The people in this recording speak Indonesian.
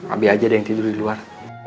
aboi aja deh yang tidur di luar